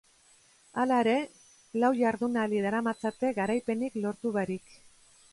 Hala ere, lau jardunaldi daramatzate garaipenik lortu barik.